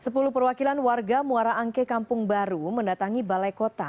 sepuluh perwakilan warga muara angke kampung baru mendatangi balai kota